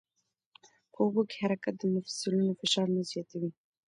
په اوبو کې حرکت د مفصلونو فشار نه زیاتوي.